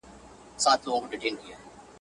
ښوونځی اکاډیمی پوهنتونونه.